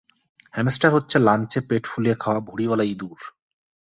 Hamster হচ্ছে লাঞ্চে পেট ফুলিয়ে খাওয়া ভুড়িওয়ালা ইঁদুর!